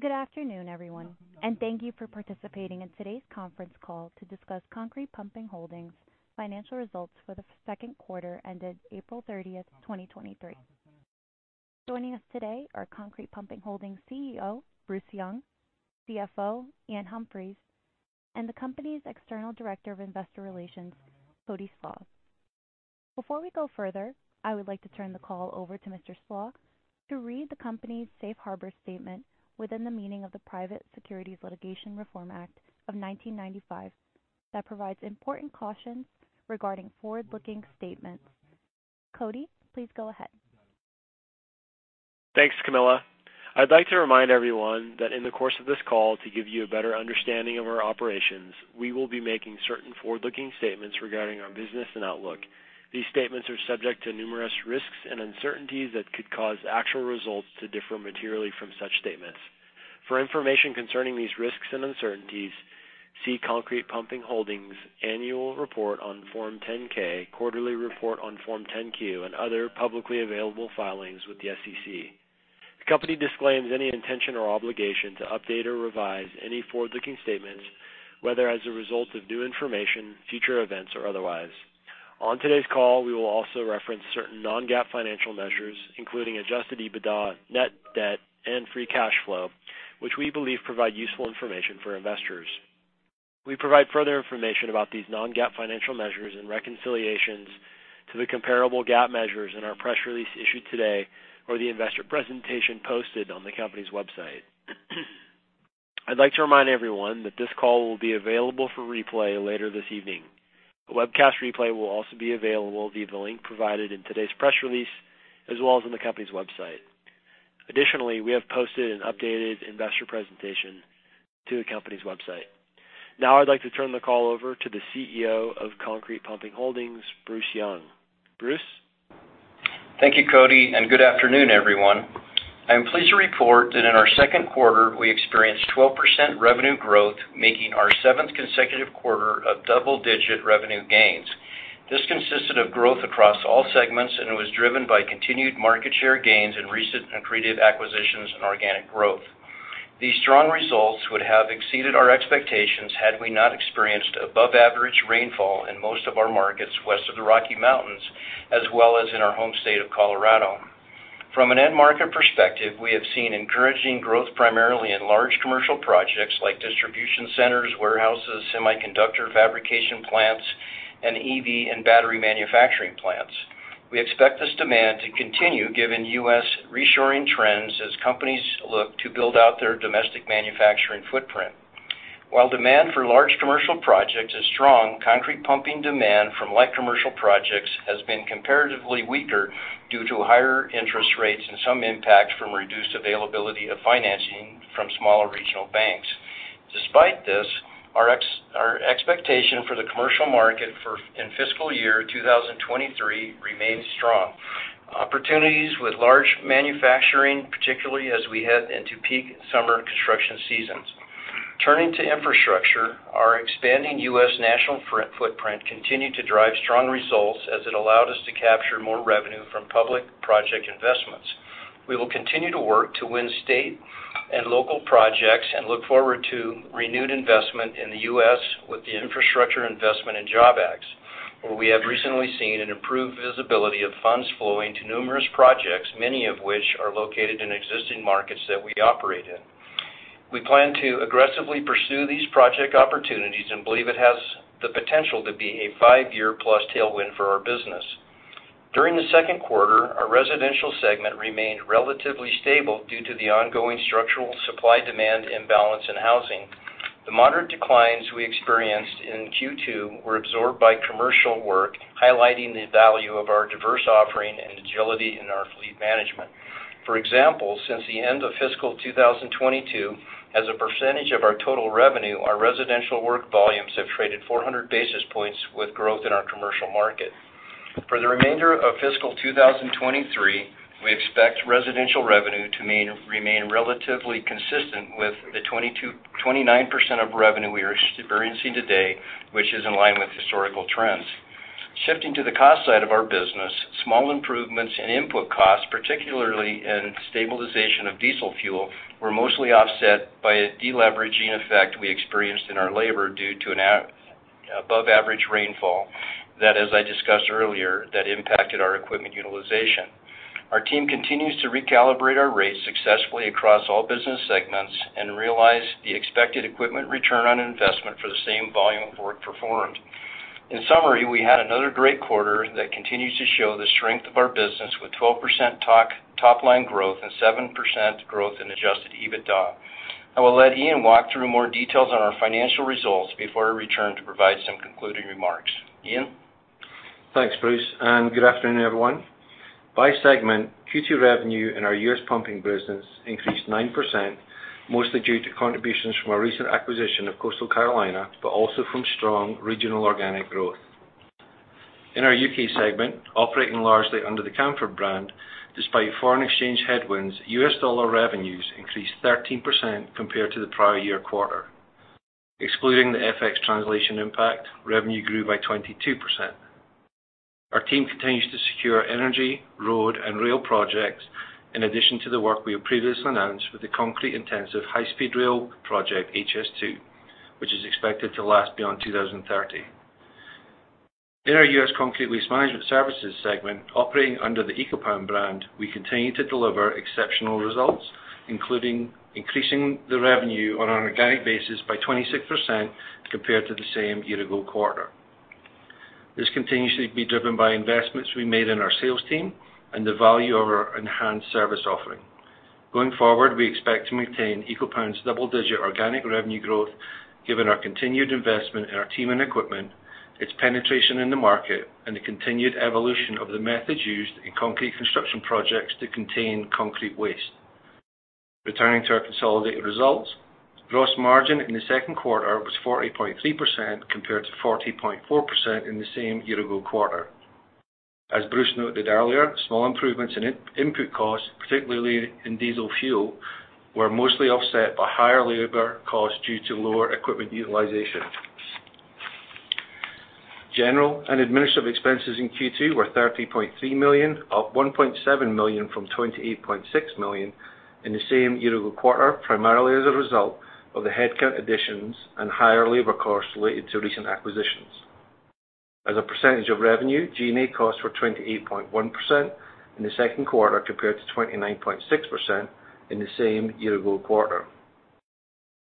Good afternoon, everyone, and thank you for participating in today's Conference Call to discuss Concrete Pumping Holdings' Financial Results for the Second Quarter ended April 30, 2023. Joining us today are Concrete Pumping Holdings' CEO, Bruce Young, CFO, Iain Humphries, and the company's External Director of Investor Relations, Cody Slach. Before we go further, I would like to turn the call over to Mr. Slach to read the company's Safe Harbor statement within the meaning of the Private Securities Litigation Reform Act of 1995, that provides important cautions regarding forward-looking statements. Cody, please go ahead. Thanks, Camilla. I'd like to remind everyone that in the course of this call, to give you a better understanding of our operations, we will be making certain forward-looking statements regarding our business and outlook. These statements are subject to numerous risks and uncertainties that could cause actual results to differ materially from such statements. For information concerning these risks and uncertainties, see Concrete Pumping Holdings' annual report on Form 10-K, quarterly report on Form 10-Q, and other publicly available filings with the SEC. The company disclaims any intention or obligation to update or revise any forward-looking statements, whether as a result of new information, future events, or otherwise. On today's call, we will also reference certain non-GAAP financial measures, including adjusted EBITDA, net debt, and free cash flow, which we believe provide useful information for investors. We provide further information about these non-GAAP financial measures and reconciliations to the comparable GAAP measures in our press release issued today or the investor presentation posted on the company's website. I'd like to remind everyone that this call will be available for replay later this evening. The webcast replay will also be available via the link provided in today's press release, as well as on the company's website. Additionally, we have posted an updated investor presentation to the company's website. Now, I'd like to turn the call over to the CEO of Concrete Pumping Holdings, Bruce Young. Bruce? Thank you, Cody, and good afternoon, everyone. I'm pleased to report that in our second quarter, we experienced 12% revenue growth, making our 7th consecutive quarter of double-digit revenue gains. This consisted of growth across all segments, and it was driven by continued market share gains in recent accretive acquisitions and organic growth. These strong results would have exceeded our expectations had we not experienced above-average rainfall in most of our markets west of the Rocky Mountains, as well as in our home state of Colorado. From an end-market perspective, we have seen encouraging growth, primarily in large commercial projects like distribution centers, warehouses, semiconductor fabrication plants, and EV and battery manufacturing plants. We expect this demand to continue, given U.S. reshoring trends, as companies look to build out their domestic manufacturing footprint. While demand for large commercial projects is strong, concrete pumping demand from light commercial projects has been comparatively weaker due to higher interest rates and some impact from reduced availability of financing from smaller regional banks. Despite this, our expectation for the commercial market in fiscal year 2023 remains strong. Opportunities with large manufacturing, particularly as we head into peak summer construction seasons. Turning to infrastructure, our expanding U.S. national footprint continued to drive strong results as it allowed us to capture more revenue from public project investments. We will continue to work to win state and local projects and look forward to renewed investment in the U.S. with the Infrastructure Investment and Jobs Act, where we have recently seen an improved visibility of funds flowing to numerous projects, many of which are located in existing markets that we operate in. We plan to aggressively pursue these project opportunities and believe it has the potential to be a 5-year-plus tailwind for our business. During the second quarter, our residential segment remained relatively stable due to the ongoing structural supply-demand imbalance in housing. The moderate declines we experienced in Q2 were absorbed by commercial work, highlighting the value of our diverse offering and agility in our fleet management. For example, since the end of fiscal 2022, as a percentage of our total revenue, our residential work volumes have traded 400 basis points with growth in our commercial market. For the remainder of fiscal 2023, we expect residential revenue to remain relatively consistent with the 29% of revenue we are experiencing today, which is in line with historical trends. Shifting to the cost side of our business, small improvements in input costs, particularly in stabilization of diesel fuel, were mostly offset by a deleveraging effect we experienced in our labor due to an above-average rainfall, that, as I discussed earlier, impacted our equipment utilization. Our team continues to recalibrate our rates successfully across all business segments and realize the expected equipment return on investment for the same volume of work performed. In summary, we had another great quarter that continues to show the strength of our business with 12% top-line growth and 7% growth in adjusted EBITDA. I will let Iain walk through more details on our financial results before I return to provide some concluding remarks. Iain? Thanks, Bruce. Good afternoon, everyone. By segment, Q2 revenue in our U.S. pumping business increased 9%, mostly due to contributions from our recent acquisition of Coastal Carolina, also from strong regional organic growth. In our U.K. segment, operating largely under the Camfaud brand, despite foreign exchange headwinds, U.S. dollar revenues increased 13% compared to the prior year quarter. Excluding the FX translation impact, revenue grew by 22%. Our team continues to secure energy, road, and rail projects, in addition to the work we have previously announced with the concrete-intensive high-speed rail project, HS2, which is expected to last beyond 2030. In our U.S. Concrete Waste Management Services segment, operating under the Eco-Pan brand, we continue to deliver exceptional results, including increasing the revenue on an organic basis by 26% compared to the same year-ago quarter. This continues to be driven by investments we made in our sales team and the value of our enhanced service offering. Going forward, we expect to maintain Eco-Pan's double-digit organic revenue growth, given our continued investment in our team and equipment, its penetration in the market, and the continued evolution of the methods used in concrete construction projects to contain concrete waste. Returning to our consolidated results, gross margin in the second quarter was 40.3%, compared to 40.4% in the same year-ago quarter. As Bruce noted earlier, small improvements in input costs, particularly in diesel fuel, were mostly offset by higher labor costs due to lower equipment utilization. General and administrative expenses in Q2 were $30.3 million, up $1.7 million from $28.6 million in the same year-ago quarter, primarily as a result of the headcount additions and higher labor costs related to recent acquisitions. As a percentage of revenue, G&A costs were 28.1% in the second quarter, compared to 29.6% in the same year-ago quarter.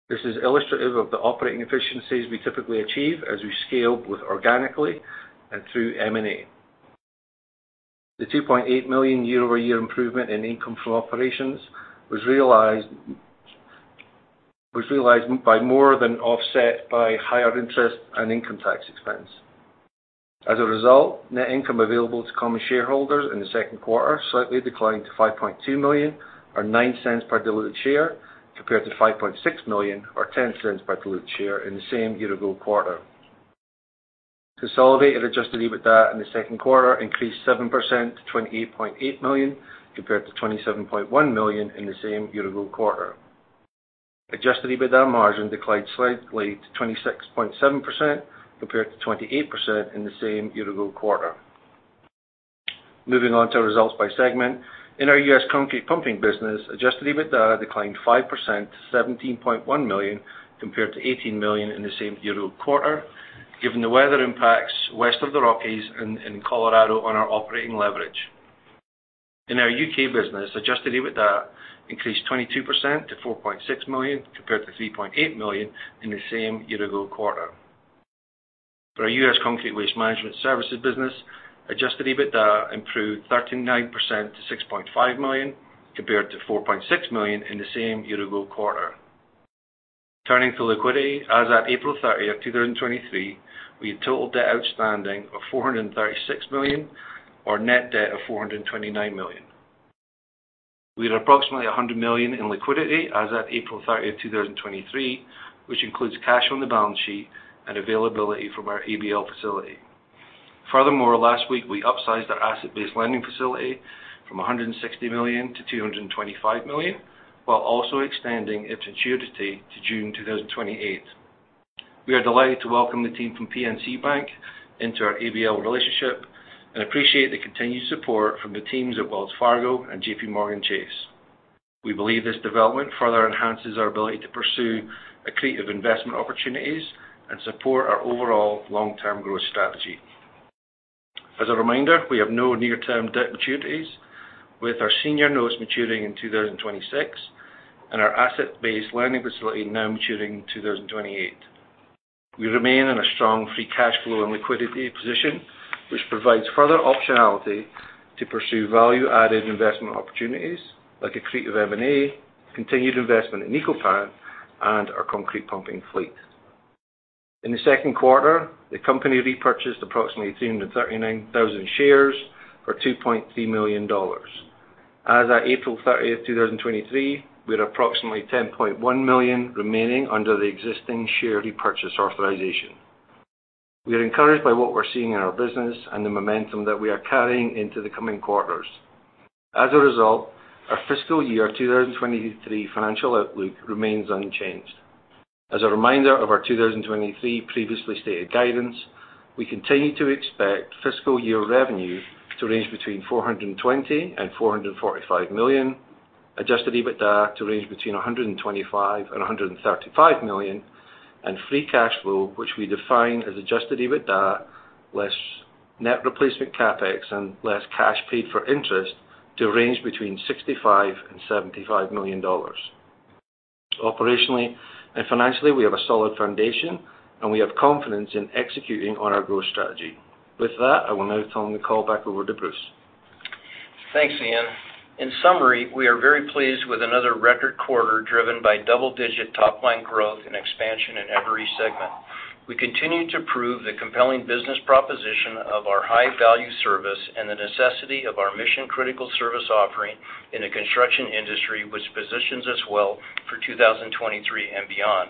This is illustrative of the operating efficiencies we typically achieve as we scale both organically and through M&A. The $2.8 million year-over-year improvement in income from operations was realized by more than offset by higher interest and income tax expense. As a result, net income available to common shareholders in the second quarter slightly declined to $5.2 million, or $0.09 per diluted share, compared to $5.6 million, or $0.10 per diluted share in the same year-ago quarter. Consolidated adjusted EBITDA in the second quarter increased 7% to $28.8 million, compared to $27.1 million in the same year-ago quarter. Adjusted EBITDA margin declined slightly to 26.7%, compared to 28% in the same year-ago quarter. Moving on to our results by segment. In our U.S. Concrete Pumping business, adjusted EBITDA declined 5% to $17.1 million, compared to $18 million in the same year-ago quarter, given the weather impacts west of the Rockies and in Colorado on our operating leverage. In our UK business, adjusted EBITDA increased 22% to $4.6 million, compared to $3.8 million in the same year-ago quarter. For our U.S. Concrete Waste Management Services business, adjusted EBITDA improved 39% to $6.5 million, compared to $4.6 million in the same year-ago quarter. Turning to liquidity, as at April 30, 2023, we had total debt outstanding of $436 million, or net debt of $429 million. We had approximately $100 million in liquidity as at April 30, 2023, which includes cash on the balance sheet and availability from our ABL facility. Last week, we upsized our asset-based lending facility from $160 million to $225 million, while also extending its maturity to June 2028. We are delighted to welcome the team from PNC Bank into our ABL relationship and appreciate the continued support from the teams at Wells Fargo and JPMorgan Chase. We believe this development further enhances our ability to pursue accretive investment opportunities and support our overall long-term growth strategy. As a reminder, we have no near-term debt maturities, with our senior notes maturing in 2026 and our asset-based lending facility now maturing in 2028. We remain in a strong free cash flow and liquidity position, which provides further optionality to pursue value-added investment opportunities like accretive M&A, continued investment in Eco-Pan, and our concrete pumping fleet. In the second quarter, the company repurchased approximately 339,000 shares, or $2.3 million. As at April 30th, 2023, we had approximately $10.1 million remaining under the existing share repurchase authorization. We are encouraged by what we're seeing in our business and the momentum that we are carrying into the coming quarters. As a result, our fiscal year 2023 financial outlook remains unchanged. As a reminder of our 2023 previously stated guidance, we continue to expect fiscal year revenue to range between $420 million and $445 million, adjusted EBITDA to range between $125 million and $135 million, and free cash flow, which we define as adjusted EBITDA less net replacement CapEx and less cash paid for interest to range between $65 million and $75 million. Operationally and financially, we have a solid foundation, and we have confidence in executing on our growth strategy. With that, I will now turn the call back over to Bruce. Thanks, Iain. We are very pleased with another record quarter, driven by double-digit top-line growth and expansion in every segment. We continue to prove the compelling business proposition of our high-value service and the necessity of our mission-critical service offering in the construction industry, which positions us well for 2023 and beyond.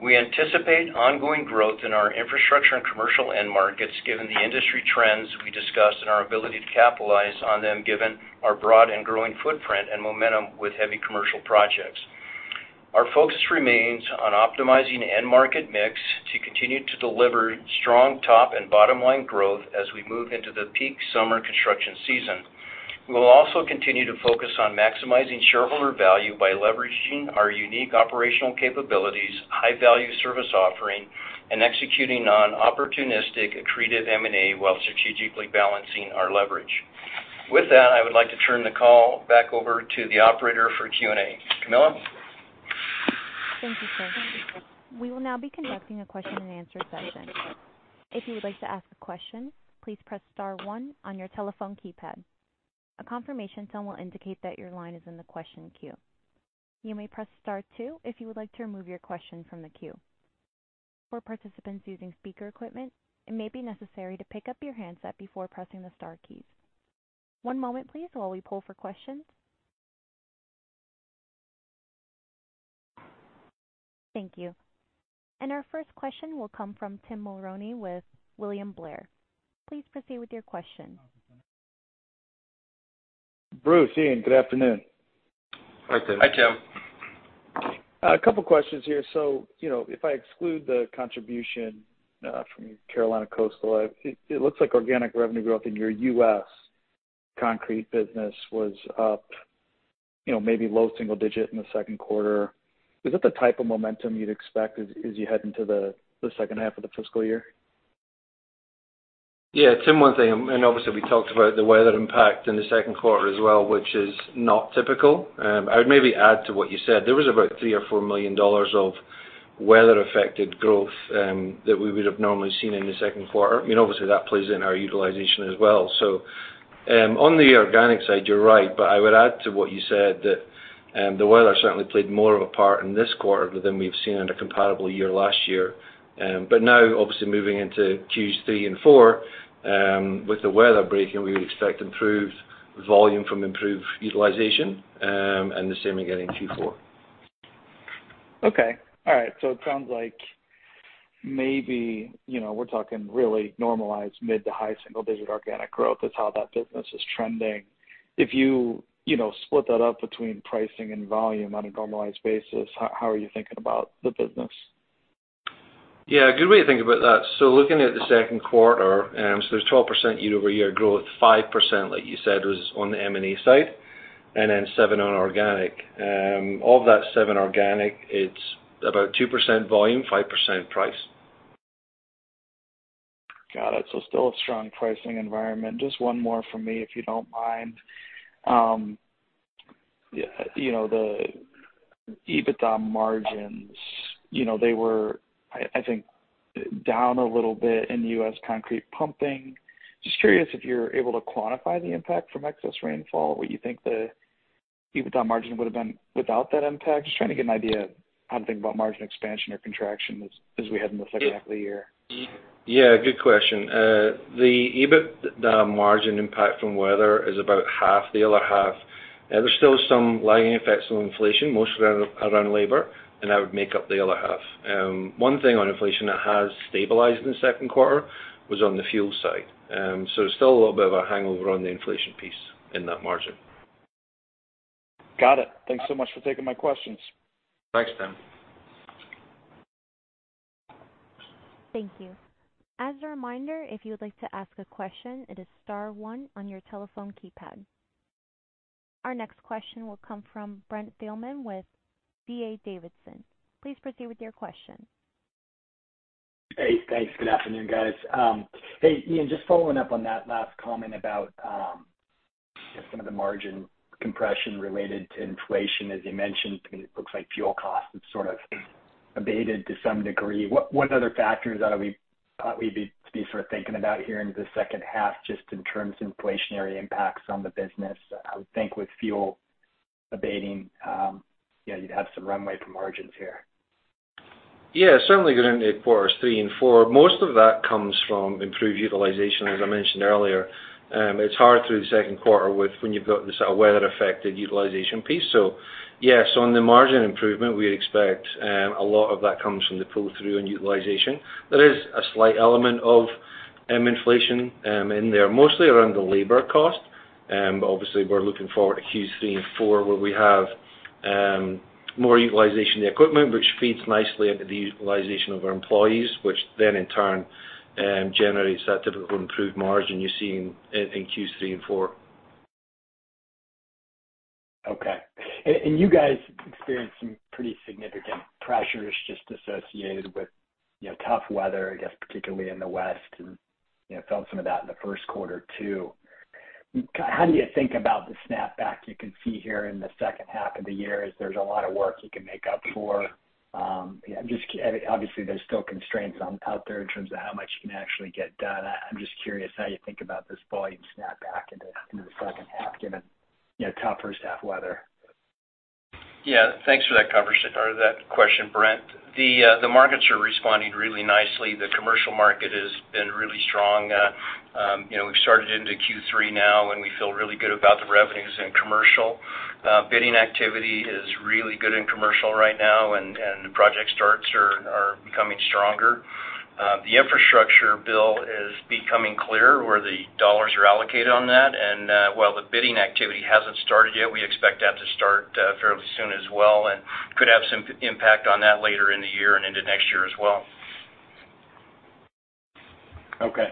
We anticipate ongoing growth in our infrastructure and commercial end markets, given the industry trends we discussed and our ability to capitalize on them, given our broad and growing footprint and momentum with heavy commercial projects. Our focus remains on optimizing end market mix to continue to deliver strong top and bottom-line growth as we move into the peak summer construction season. We will also continue to focus on maximizing shareholder value by leveraging our unique operational capabilities, high-value service offering, and executing on opportunistic accretive M&A, while strategically balancing our leverage. With that, I would like to turn the call back over to the operator for Q&A. Camilla? Thank you, sir. We will now be conducting a question-and-answer session. If you would like to ask a question, please press star one on your telephone keypad. A confirmation tone will indicate that your line is in the question queue. You may press star two if you would like to remove your question from the queue. For participants using speaker equipment, it may be necessary to pick up your handset before pressing the star keys. One moment, please, while we pull for questions. Thank you. Our first question will come from Tim Mulrooney with William Blair. Please proceed with your question. Bruce, Iain, good afternoon. Hi, Tim. Hi, Tim. A couple questions here. you know, if I exclude the contribution from Carolina Coastal, it looks like organic revenue growth in your US concrete business was up, you know, maybe low single digit in the second quarter. Is that the type of momentum you'd expect as you head into the second half of the fiscal year? Tim, one thing, obviously, we talked about the weather impact in the second quarter as well, which is not typical. I would maybe add to what you said. There was about $3 million or $4 million of weather-affected growth that we would have normally seen in the second quarter. I mean, obviously, that plays in our utilization as well. On the organic side, you're right, but I would add to what you said, that the weather certainly played more of a part in this quarter than we've seen in a comparable year last year. Now, obviously, moving into Q3 and Q4, with the weather breaking, we would expect improved volume from improved utilization, and the same again in Q4. Okay. All right. It sounds like maybe, you know, we're talking really normalized mid to high single digit organic growth is how that business is trending. If you know, split that up between pricing and volume on a normalized basis, how are you thinking about the business? Yeah, a good way to think about that. Looking at the second quarter, there's 12% year-over-year growth, 5%, like you said, was on the M&A side, and then 7 on organic. Of that 7 organic, it's about 2% volume, 5% price. Got it. Still a strong pricing environment. Just one more from me, if you don't mind. you know, the EBITDA margins, you know, they were, I think, down a little bit in the U.S. concrete pumping. Just curious if you're able to quantify the impact from excess rainfall. What you think the EBITDA margin would have been without that impact? Just trying to get an idea of how to think about margin expansion or contraction as we head into the second half of the year. Yeah, good question. The EBITDA margin impact from weather is about half. The other half, there's still some lagging effects on inflation, mostly around labor, and that would make up the other half. One thing on inflation that has stabilized in the second quarter was on the fuel side. There's still a little bit of a hangover on the inflation piece in that margin. Got it. Thanks so much for taking my questions. Thanks, Tim. Thank you. As a reminder, if you would like to ask a question, it is star one on your telephone keypad. Our next question will come from Brent Thielman with D.A. Davidson. Please proceed with your question. Hey, thanks. Good afternoon, guys. Hey, Iain, just following up on that last comment about just some of the margin compression related to inflation. As you mentioned, I mean, it looks like fuel costs have sort of abated to some degree. What other factors ought we be sort of thinking about here into the second half, just in terms of inflationary impacts on the business? I would think with fuel abating, you'd have some runway for margins here. Certainly going into quarters three and four. Most of that comes from improved utilization, as I mentioned earlier. It's hard through the second quarter with when you've got this weather-affected utilization piece. Yes, on the margin improvement, we expect a lot of that comes from the pull-through and utilization. There is a slight element of inflation in there, mostly around the labor cost. Obviously we're looking forward to Q3 and Q4, where we have more utilization of the equipment, which feeds nicely into the utilization of our employees, which then in turn generates that typical improved margin you see in Q3 and Q4. Okay. You guys experienced some pretty significant pressures just associated with, you know, tough weather, I guess, particularly in the West, and, you know, felt some of that in the first quarter, too. How do you think about the snapback you can see here in the second half of the year, as there's a lot of work you can make up for? Obviously, there's still constraints out there in terms of how much you can actually get done. I'm just curious how you think about this volume snapback into the second half, given, you know, tough first half weather. Yeah. Thanks for that coverage or that question, Brent. The markets are responding really nicely. The commercial market has been really strong. you know, we've started into Q3 now, and we feel really good about the revenues in commercial. Bidding activity is really good in commercial right now, and the project starts are becoming stronger. The infrastructure bill is becoming clearer, where the dollars are allocated on that, and while the bidding activity hasn't started yet, we expect that to start fairly soon as well, and could have some impact on that later in the year and into next year as well. Okay.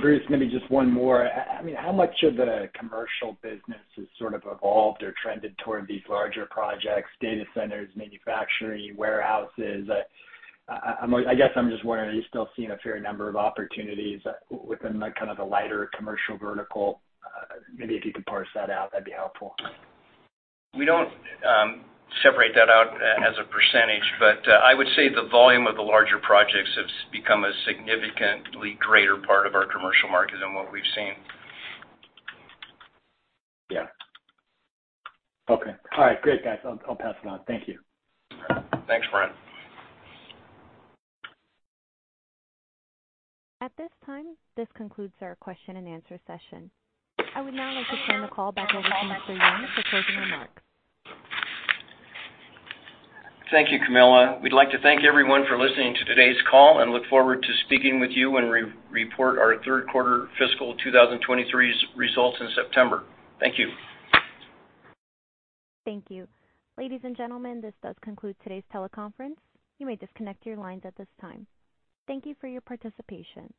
Bruce, maybe just one more. I mean, how much of the commercial business has sort of evolved or trended toward these larger projects, data centers, manufacturing, warehouses? I guess I'm just wondering, are you still seeing a fair number of opportunities within, like, kind of the lighter commercial vertical? Maybe if you could parse that out, that'd be helpful. We don't separate that out as a percentage, but I would say the volume of the larger projects has become a significantly greater part of our commercial market than what we've seen. Yeah. Okay. All right, great, guys. I'll pass it on. Thank you. Thanks, Brent. At this time, this concludes our question and answer session. I would now like to turn the call back over to Mr. Young for closing remarks. Thank you, Camilla. We'd like to thank everyone for listening to today's call and look forward to speaking with you when we report our third quarter fiscal 2023's results in September. Thank you. Thank you. Ladies and gentlemen, this does conclude today's teleconference. You may disconnect your lines at this time. Thank you for your participation.